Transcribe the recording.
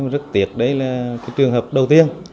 rất tiếc đây là trường hợp đầu tiên